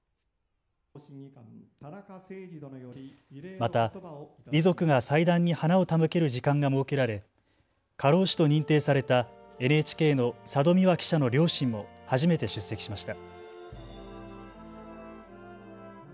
また、遺族が祭壇に花を手向ける時間が設けられ過労死と認定されたＮＨＫの佐戸未和記者の両親も初めて出席しました。